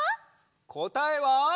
こたえは。